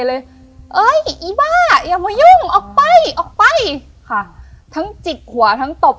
เลยเอ้ยอีบ้าอย่ามายุ่งออกไปออกไปค่ะทั้งจิกหัวทั้งตบ